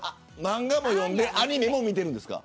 漫画も読んでアニメも見てるんですか。